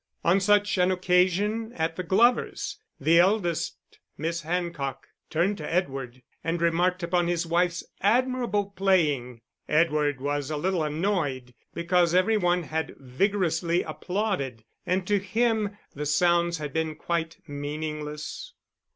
On such an occasion at the Glovers, the eldest Miss Hancock turned to Edward and remarked upon his wife's admirable playing. Edward was a little annoyed, because every one had vigorously applauded, and to him the sounds had been quite meaningless.